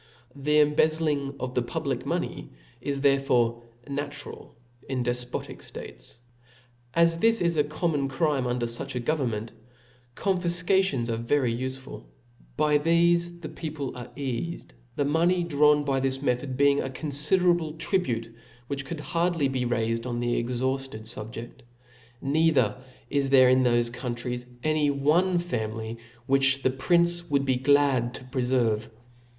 The embezzling of the public pioney is therefore natural in defpbtic ftates. 'As this is a common crime under fuch a govern ment, confifcations are very ufeful. By thefe the people are eafed •, the money drawn by this me thod being a confiderable tribute, which could hardly be'raifed on the exhaufted fubjeft : neither is there in thofe countries any one family which the pririce would be glad to prefer vc.